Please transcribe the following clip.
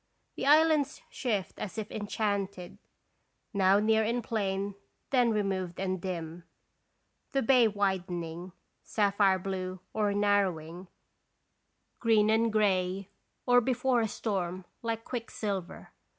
The islands shift as if enchanted, now near and plain, then re moved and dim. The bay widening, sapphire blue, or narrowing, green and gray, or, before 142 & (Orations Visitation. a storm, like quicksilver.